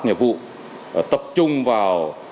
nhập vụ tập trung vào